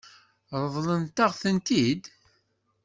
Ṛeḍlent-aɣ-ten-id?